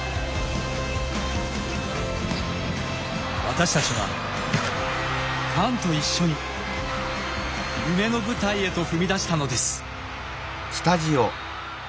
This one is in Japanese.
私たちはファンと一緒に夢の舞台へと踏み出したのです。